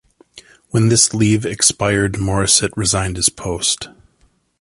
When this leave expired Morisset resigned his post.